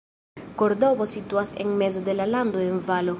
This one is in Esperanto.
Kordobo situas en mezo de la lando en valo.